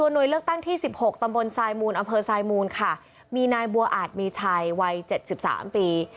หน่วยเลือกตั้งที่๑๖ตำบลทรายมูลอำเภอทรายมูลค่ะมีนายบัวอาจมีชัยวัย๗๓ปี